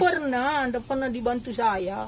tidak pernah tidak pernah dibantu saya